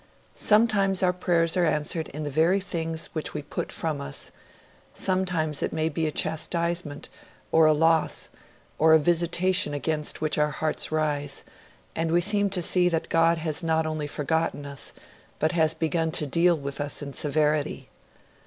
Sometimes our prayers are answered in the very things which we put from us; sometimes it may be a chastisement, or a loss, or a visitation against which our hearts rise, and we seem to see that God has not only forgotten us, but has begun to deal with us in severity.